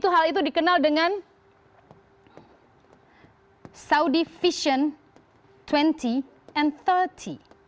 satu hal itu dikenal dengan saudi vision dua puluh and tiga puluh